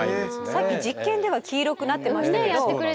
さっき実験では黄色くなってましたけど。